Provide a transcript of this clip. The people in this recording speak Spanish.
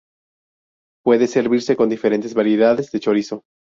Puede servirse con diferentes variedades de chorizo.